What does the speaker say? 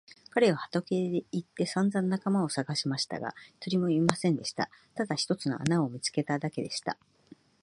彼は畑へ行ってさんざん仲間をさがしましたが、一人もいませんでした。ただ一つの穴を見つけただけでした。